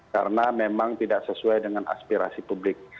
karena memang tidak sesuai dengan aspirasi publik